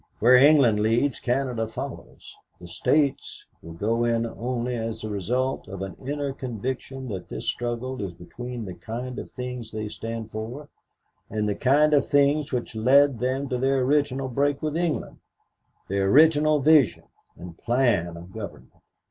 Where England leads, Canada follows. The States will go in only as the result of an inner conviction that this struggle is between the kind of things they stand for and the kind of things which led them to their original break with England, their original vision and plan of government.